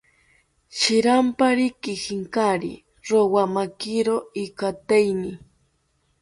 Shirampari kijinkari, rowamakiro ikateini